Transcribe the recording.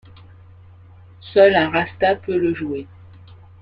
Seul un rasta peut le jouer.